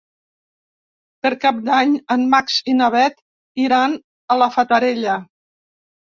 Per Cap d'Any en Max i na Bet iran a la Fatarella.